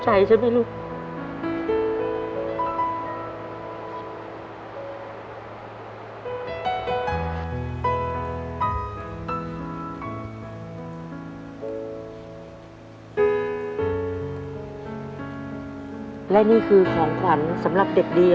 ครับโชคดีครับลูกขอบคุณครับ